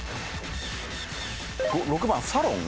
６番サロン？